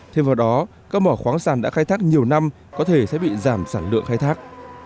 thêm vào đó các mỏ khoáng sản đã khai thác nhiều năm có thể sẽ bị giảm sản lượng khai thác